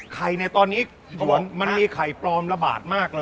ในตอนนี้มันมีไข่ปลอมระบาดมากเลย